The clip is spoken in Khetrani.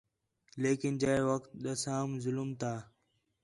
لیکن جئے وخت ݙسام ظلم تا